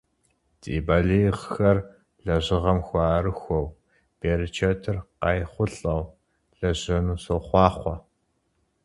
Ди балигъхэр лэжьыгъэм хуэӀэрыхуэу, берычэтыр къайхъулӀэу лэжьэну сохъуахъуэ!